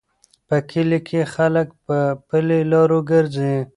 په کلي کې خلک په پلي لارو ګرځي.